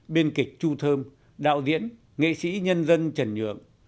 biên kịch chu thơm đạo diễn nghệ sĩ nhân dân trần nhượng